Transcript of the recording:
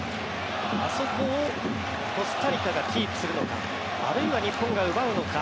あそこをコスタリカがキープするのかあるいは日本が奪うのか。